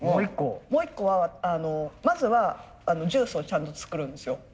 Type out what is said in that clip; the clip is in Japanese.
もう一個はまずはジュースをちゃんと作るんですよ。